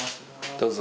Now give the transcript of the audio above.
どうぞ。